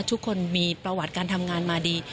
ทุกคนมีประวัติการทำงานมาดี